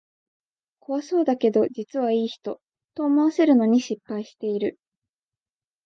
怖そうだけど実はいい人、と思わせるのに失敗してる